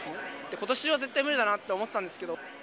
ことし中は絶対無理だなと思ってたんですけど。